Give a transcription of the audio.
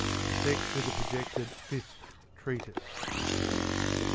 Text of the projected fifth treatise.